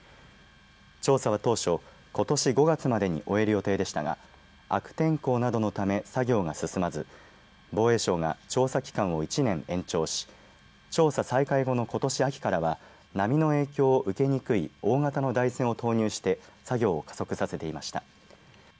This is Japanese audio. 調査は当初、ことし５月までに終える予定でしたが悪天候などのため作業が進まず防衛省が調査期間を１年延長し調査再開後の、ことし秋からは波の影響を受けにくい大型の台船を投入して作業を加速させていました。